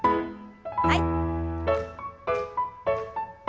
はい。